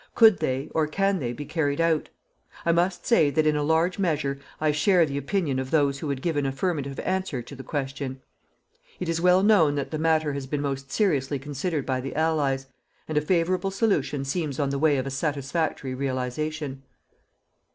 Could they, or can they be carried out? I must say that in a large measure I share the opinion of those who would give an affirmative answer to the question. It is well known that the matter has been most seriously considered by the Allies, and a favourable solution seems on the way of a satisfactory realization.